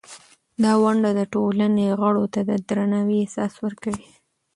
دا ونډه د ټولنې غړو ته د درناوي احساس ورکوي.